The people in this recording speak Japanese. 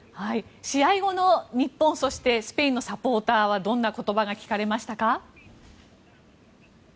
試合後の日本そしてスペインのサポーターはどんな言葉が聞かれましたか？